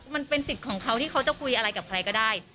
มันเป็นสิทธิ์ของเขาที่เขาจะคุยอะไรกับใครก็ได้